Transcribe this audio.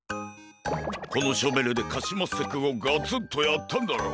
このショベルでカシマッセくんをガツンとやったんだろ。